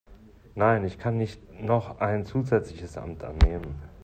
Nein, ich kann nicht noch ein zusätzliches Amt annehmen.